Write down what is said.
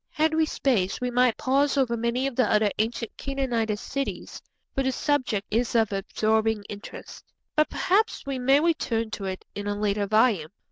Had we space we might pause over many of the other ancient Canaanitish cities, for the subject is of absorbing interest, but perhaps we may return to it in a later volume.